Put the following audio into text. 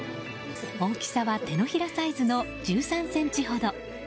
大きさは手のひらサイズの１３ｃｍほど。